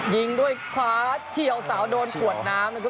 ยิงด้วยฟ้าสี่หาวสาวโดนขวดน้ำ